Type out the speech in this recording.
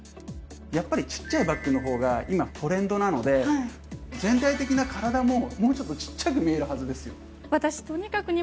やっぱりちっちゃいバッグの方が今トレンドなので全体的な体ももうちょっとちっちゃく見えるはずですよ。